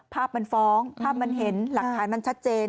ภาพมันฟ้องภาพมันเห็นหลักฐานมันชัดเจน